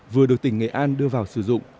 vừa được tỉnh nghệ an đưa vào sử dụng